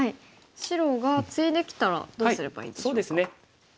白がツイできたらどうすればいいでしょうか？